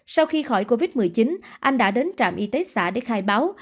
sau khi khỏi covid một mươi chín anh đã đến trạm y tế xã để khai báo